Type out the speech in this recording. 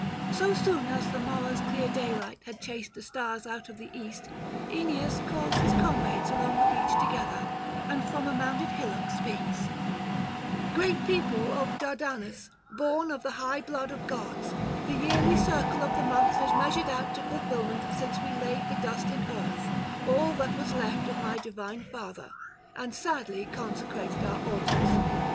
So soon as the morrow's clear daylight had chased the stars out of the east, Aeneas calls his comrades along the beach together, and from a mounded hillock speaks: 'Great people of Dardanus, born of the high blood of gods, the yearly circle of the months is measured out to fulfilment since we laid the dust in earth, all that was left of my divine father, and sadly consecrated our altars.